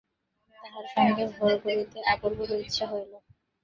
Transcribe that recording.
তাহার সঙ্গে ভোব করিতে অপুর বড় ইচ্ছা হইল।